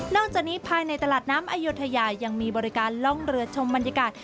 จากนี้ภายในตลาดน้ำอยุธยายังมีบริการล่องเรือชมบรรยากาศ